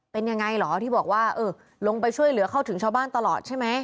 เป็นยังไงเหรอที่บอกว่าเออลงไปช่วยเหลือเข้าถึงชาวบ้านตลอดใช่ไหม